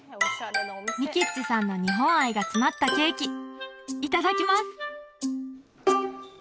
ミキッチさんの日本愛が詰まったケーキいただきます！